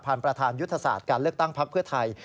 ประธานยุทธศาสตร์การเลือกตั้งพักเพื่อไทย